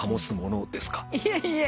いえいえ。